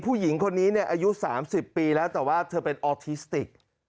ผู้หญิงคนนี้อายุ๓๐ปีแล้วแต่ว่าเธอเป็นออทิสติก